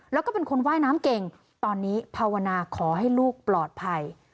แล้วก็เป็นคนว่ายน้ำเก่งตอนนี้ภาวนาขอให้ลูกปลอดภัย